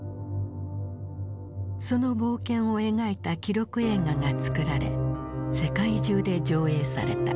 その冒険を描いた記録映画が作られ世界中で上映された。